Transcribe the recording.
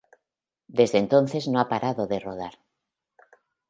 Desde entonces no ha parado de rodar.